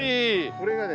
これがね